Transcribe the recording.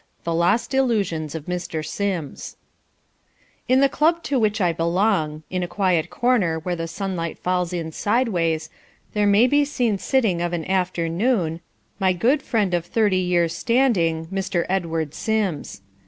The Lost Illusions of Mr. Sims In the club to which I belong, in a quiet corner where the sunlight falls in sideways, there may be seen sitting of an afternoon my good friend of thirty years' standing, Mr. Edward Sims.